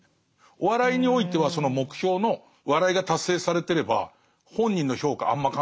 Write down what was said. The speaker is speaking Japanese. お笑いにおいてはその目標の笑いが達成されてれば本人の評価あんま関係ないと。